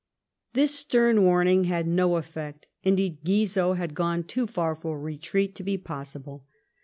This stem warning had no eflfect ; indeed, Goizot had gone too far for retreat to be possible.